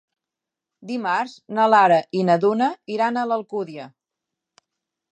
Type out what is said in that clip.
Dimarts na Lara i na Duna iran a l'Alcúdia.